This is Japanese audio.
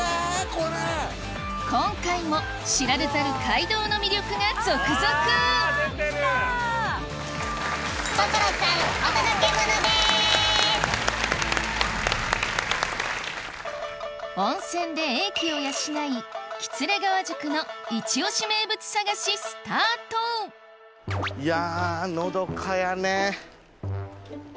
今回も知られざる街道の魅力が続々温泉で英気を養い喜連川宿のイチ推し名物探しスタートいや。